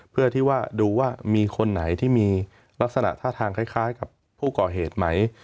เพื่อที่ว่าดูว่ามีคนไหนที่มีลักษณะท่าทางคล้ายกับผู้ก่อเหตุไหม